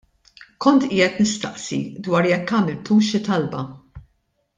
Kont qiegħed nistaqsi dwar jekk għamiltux xi talba.